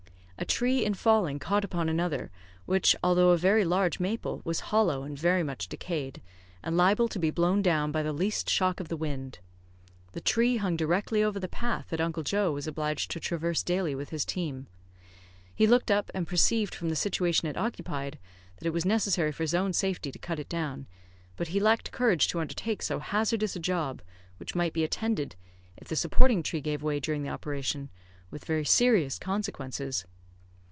A tree in falling caught upon another, which, although a very large maple, was hollow and very much decayed, and liable to be blown down by the least shock of the wind. The tree hung directly over the path that Uncle Joe was obliged to traverse daily with his team. He looked up, and perceived, from the situation it occupied, that it was necessary for his own safety to cut it down; but he lacked courage to undertake so hazardous a job, which might be attended, if the supporting tree gave way during the operation, with very serious consequences.